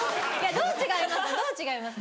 どう違いますか？